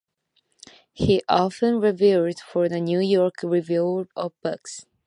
He often reviewed for the New York Review of Books.